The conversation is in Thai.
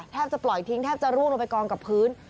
จะปล่อยทิ้งแทบจะร่วงลงไปกองกับพื้น